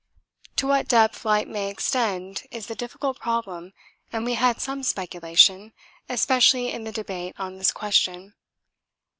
To what depth light may extend is the difficult problem and we had some speculation, especially in the debate on this question.